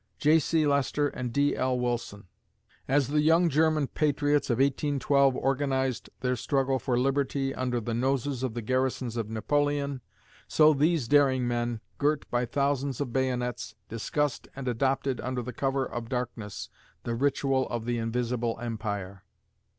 J. C. LESTER and D. L. WILSON As the young German patriots of 1812 organized their struggle for liberty under the noses of the garrisons of Napoleon, so these daring men, girt by thousands of bayonets, discussed and adopted under the cover of darkness the ritual of "The Invisible Empire."